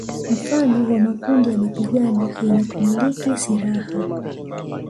Mfano wa makundi ya mapigano yenye kumiliki silaha